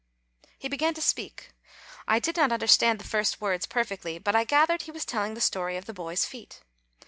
He began to speak. I did not understand the first words perfectly; but I gathered that he was telling the story of the boy's feat.